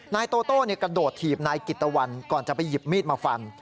นายโตโต้กระโดดถีบนายกิตตะวันก่อนจะไปหยิบมีดมาฟัน